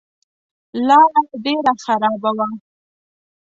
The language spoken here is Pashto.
لاره ډېره خرابه وه.